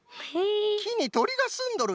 きにとりがすんどるんじゃな。